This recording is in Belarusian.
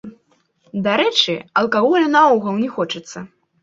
Дарэчы, алкаголю наогул не хочацца.